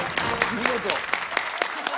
見事。